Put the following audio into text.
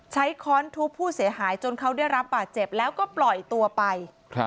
ค้อนทุบผู้เสียหายจนเขาได้รับบาดเจ็บแล้วก็ปล่อยตัวไป